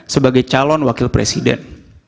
sebagai calon wakil presiden